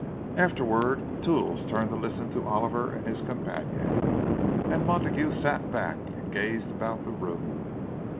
Afterward Toodles turned to listen to Oliver and his companion; and Montague sat back and gazed about the room.